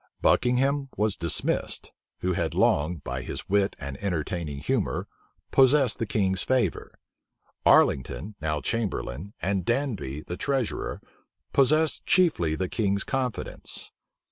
Buckingham was dismissed, who had long, by his wit and entertaining humor, possessed the king's favor. Arlington, now chamberlain, and Danby, the treasurer, possessed chiefly the king's confidence.